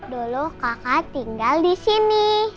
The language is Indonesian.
dulu kakak tinggal di sini